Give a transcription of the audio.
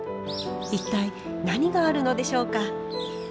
一体何があるのでしょうか？